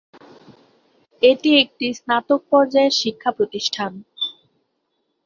এটি একটি স্নাতক পর্যায়ের শিক্ষা প্রতিষ্ঠান।